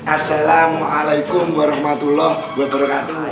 assalamualaikum warahmatullah wabarakatuh